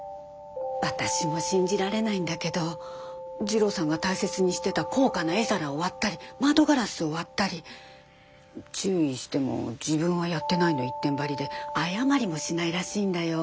私も信じられないんだけど次郎さんが大切にしてた高価な絵皿を割ったり窓ガラスを割ったり注意しても自分はやってないの一点張りで謝りもしないらしいんだよ。